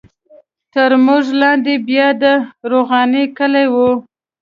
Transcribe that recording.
تر موږ لاندې بیا د روغاني کلی وو.